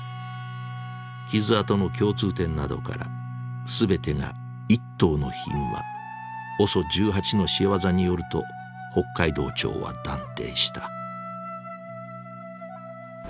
傷痕の共通点などから全てが一頭のヒグマＯＳＯ１８の仕業によると北海道庁は断定した。